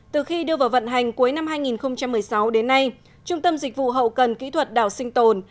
từ khi đưa vào vận hành cuối năm hai nghìn một mươi sáu đến nay trung tâm dịch vụ hậu cần kỹ thuật đảo sinh tồn